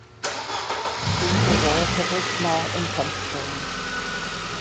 These were relatively small income streams.